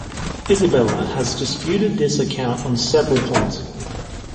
Isabella has disputed this account on several points.